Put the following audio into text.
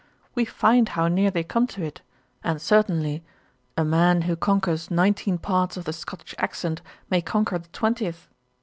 We find how near they come to it; and certainly, a man who conquers nineteen parts of the Scottish accent, may conquer the twentieth.